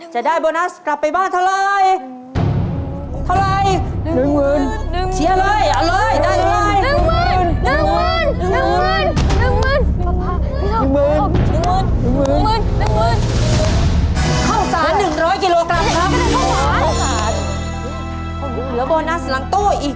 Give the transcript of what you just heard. จะได้โบนัสกลับไปบ้านเท่าไร